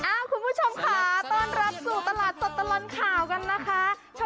คุณผู้ชมค่ะต้อนรับสู่ตลาดสดตลอดข่าวกันนะคะ